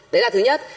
đấy là thứ nhất